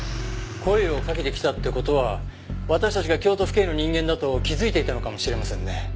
声をかけてきたって事は私たちが京都府警の人間だと気づいていたのかもしれませんね。